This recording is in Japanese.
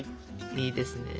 いいですね。